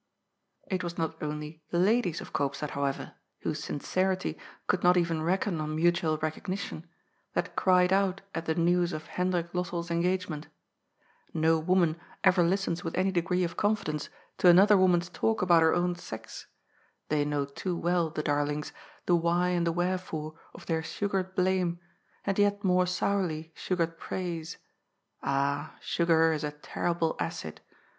148 GOD'S FOOU It was not only the ladies of Koopstad, however (whose sincerity could not even reckon on mutual recognition), that cried out at the news of Hendrik Lossell's engagement No woman ever listens with any degree of confidence to an other woman's talk about her own sex — they know too well, the darlings, the why and the wherefore of their sugared blame and yet more sourly sugared praise — ah, sugar is a terrible acid!